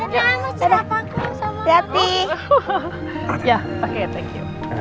dadah aku siapa aku sama